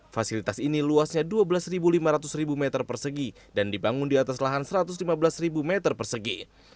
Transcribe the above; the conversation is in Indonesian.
fasilitas ini luasnya dua belas lima ratus meter persegi dan dibangun di atas lahan satu ratus lima belas meter persegi